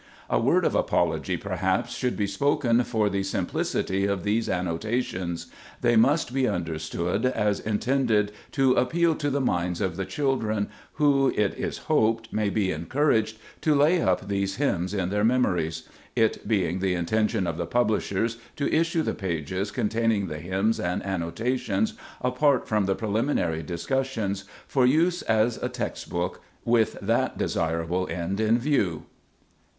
A word of apology, perhaps, should be spoken for the simplicity of these annota tions. They must be understood as intended to appeal to the minds of the children, who, it is hoped, may be encouraged to lay up these hymns in their memories ; it being the inten tion of the publishers to issue the pages con taining the hymns and annotations apart from the preliminary discussions, for use as a text book, with that desirable end in view.